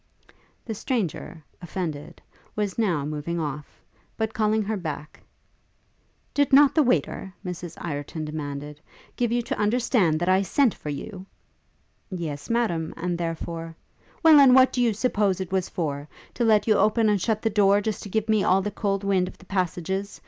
The stranger, offended, was now moving off, but, calling her back, 'Did not the waiter,' Mrs Ireton demanded, 'give you to understand that I sent for you?' 'Yes, Madam; and therefore ' 'Well, and what do you suppose it was for? To let you open and shut the door, just to give me all the cold wind of the passages?